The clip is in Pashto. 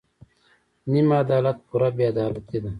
نیم عدالت پوره بې عدالتي ده.